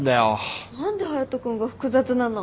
何でハヤト君が複雑なの？